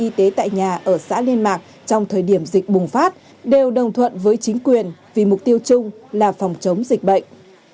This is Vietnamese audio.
y tế tại nhà ở xã liên mạc trong thời điểm dịch bùng phát đều đồng thuận với chính quyền vì mục tiêu chung là phòng chống dịch bệnh